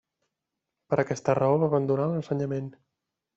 Per aquesta raó va abandonar l'ensenyament.